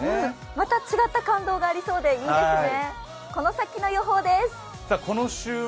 また違った感動がありそうでいいですね。